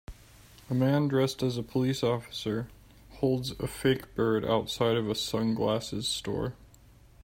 A man dressed as a police officer holds a fake bird outside of a sunglasses store.